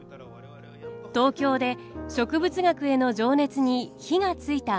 東京で植物学への情熱に火がついた万太郎。